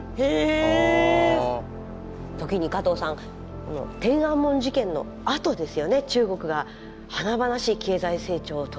時に加藤さん天安門事件のあとですよね中国が華々しい経済成長を遂げていくのは。